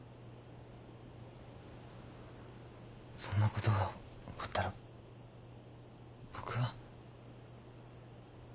そんなことが起こったら僕は。